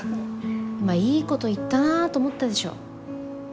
今いいこと言ったなと思ったでしょ。